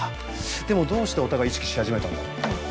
でもどうしてお互い意識し始めたんだろうな？